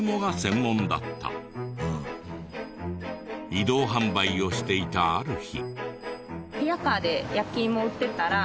移動販売をしていたある日。